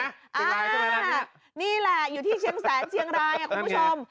นี่แหละนี่แหละอยู่ที่เชียงแสนเชียงรายคุณผู้ชม